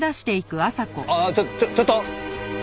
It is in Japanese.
ああちょちょちょっと！